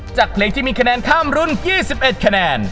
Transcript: จากเพลงที่มีคะแนนข้ามรุ่น๒๑คะแนน